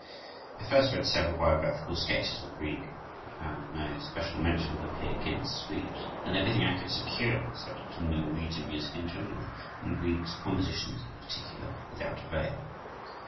I first read several biographical sketches of Grieg, but found no special mention of the "Peer Gynt" suite; then everything I could secure on the subject of Norwegian music in general and Grieg's compositions in particular, without avail.